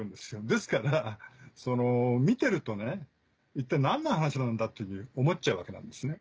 ですから見てると一体何の話なんだっていうふうに思っちゃうわけなんですね。